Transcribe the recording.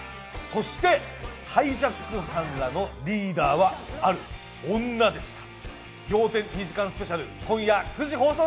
そしてハイジャック犯のリーダーはある女でした。